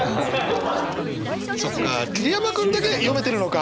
そっか桐山君だけ読めてるのか！